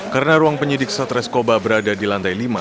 karena ruang penyidik satreskoba berada di lantai lima